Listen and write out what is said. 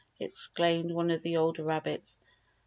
exclaimed one of tile older rabbits.